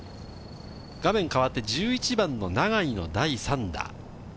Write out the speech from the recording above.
画面変わって、１１番の永井の第３打。